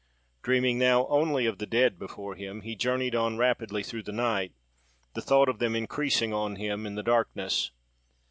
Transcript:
Dreaming now only of the dead before him, he journeyed on rapidly through the night; the thought of them increasing on him, in the darkness.